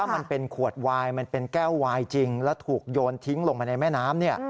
มันเป็นขวดวายมันเป็นแก้ววายจริงแล้วถูกโยนทิ้งลงไปในแม่น้ำ